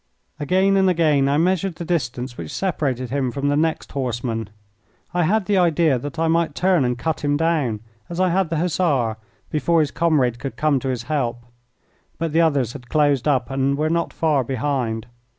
Again and again I measured the distance which separated him from the next horseman. I had the idea that I might turn and cut him down, as I had the Hussar, before his comrade could come to his help. But the others had closed up and were not far behind.